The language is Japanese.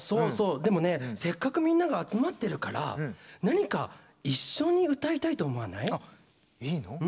でもね、せっかくみんなが集まってるから何か一緒に歌いたいと思わない？いいの？